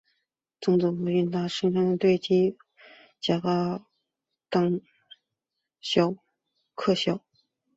曾执教祖云达斯青年队及法甲阿雅克肖。